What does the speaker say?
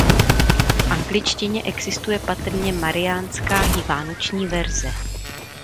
V angličtině existuje patrně mariánská i vánoční verze.